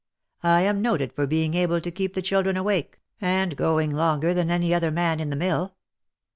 I am noted for being able to keep the children awake, and going longer than any other man in the mill.